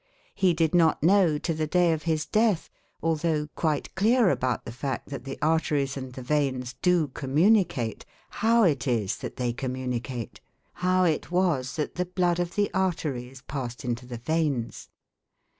He did not know to the day of his death, although quite clear about the fact that the arteries and the veins do communicate, how it is that they communicate how it was that the blood of the arteries passed into the veins.